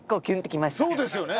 そうですよね。